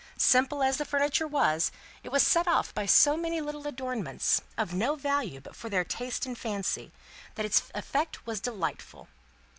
Simple as the furniture was, it was set off by so many little adornments, of no value but for their taste and fancy, that its effect was delightful.